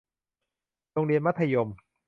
โรงเรียนมัธยม